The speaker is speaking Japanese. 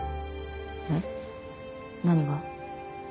えっ？何が？